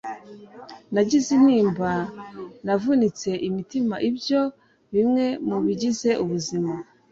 nagize intimba navunitse imitima ibyo ni bimwe mu bigize ubuzima